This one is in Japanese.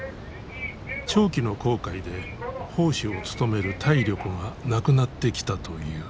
長期の航海で砲手を務める体力がなくなってきたという。